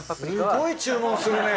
すごい注文するね。